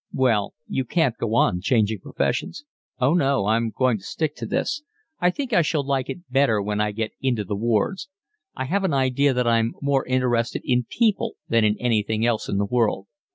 "Well, you can't go on changing professions." "Oh, no. I'm going to stick to this. I think I shall like it better when I get into the wards. I have an idea that I'm more interested in people than in anything else in the world.